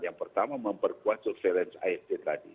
yang pertama memperkuat surveillance it tadi